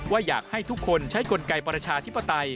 อยากให้ทุกคนใช้กลไกประชาธิปไตย